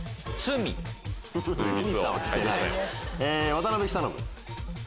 渡辺久信。